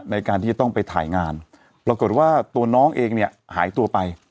ในการที่จะต้องไปถ่ายงานปรากฏว่าตัวน้องเองเนี่ยหายตัวไป